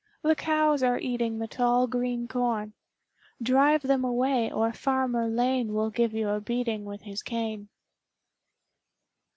The cows are eating the tall green corn. Drive them away or Farmer Lane Will give you a beating with his cane.